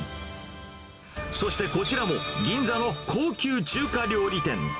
そしてこちらも、銀座の高級中華料理店。